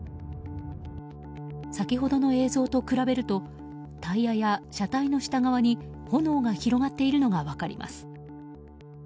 先ほどの映像と比べるとタイヤや車体の下側に炎が広がっているのが分かります。